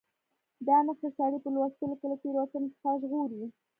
دا نښې سړی په لوستلو کې له تېروتنې څخه ژغوري.